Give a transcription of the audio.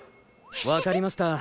わかりました。